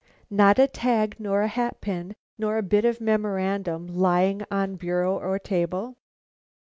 "Not a tag, nor a hat pin, nor a bit of memorandum, lying on bureau or table?"